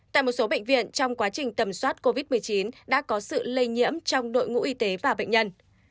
tại một số bệnh viện trong quá trình tầm soát covid một mươi chín đã có sự lây nhiễm trong đội ngũ y tế và bệnh nhân